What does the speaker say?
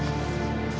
aku mau balik